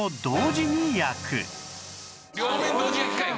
両面同時焼きかい！